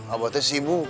abah teh sibuk nek